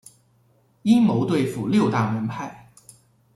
阴谋对付六大门派。